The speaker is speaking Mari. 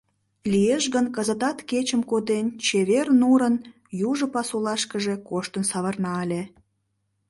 Лиеш гын, кызытат кечым коден «Чевер нурын» южо пасулашкыже коштын савырна ыле.